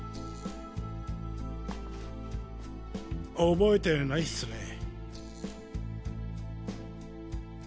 覚えてないっスねぇ。